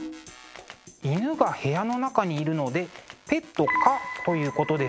犬が部屋の中にいるのでペット可ということですよね。